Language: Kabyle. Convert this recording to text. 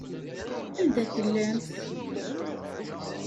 Anda tellamt?